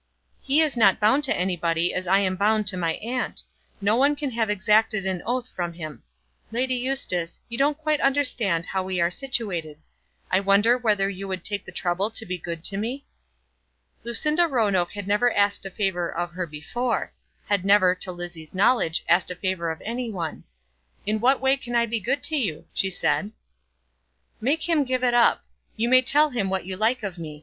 "He is not bound to anybody as I am bound to my aunt. No one can have exacted an oath from him. Lady Eustace, you don't quite understand how we are situated. I wonder whether you would take the trouble to be good to me?" Lucinda Roanoke had never asked a favour of her before; had never, to Lizzie's knowledge, asked a favour of any one. "In what way can I be good to you?" she said. "Make him give it up. You may tell him what you like of me.